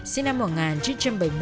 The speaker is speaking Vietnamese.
sinh năm một nghìn chín trăm bảy mươi